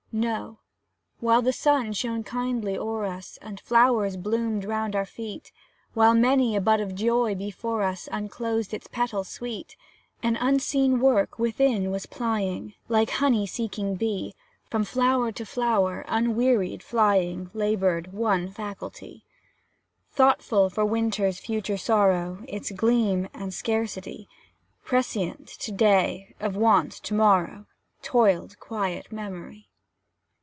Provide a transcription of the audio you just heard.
No; while the sun shone kindly o'er us, And flowers bloomed round our feet, While many a bud of joy before us Unclosed its petals sweet, An unseen work within was plying; Like honey seeking bee, From flower to flower, unwearied, flying, Laboured one faculty, Thoughtful for Winter's future sorrow, Its gloom and scarcity; Prescient to day, of want to morrow, Toiled quiet Memory.